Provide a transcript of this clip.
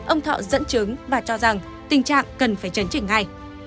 ông thọ dẫn chứng và cho rằng tình trạng cần phải chấn chỉnh ngay